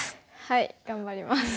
はい頑張ります。